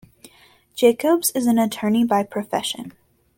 Jacobs is an attorney by profession.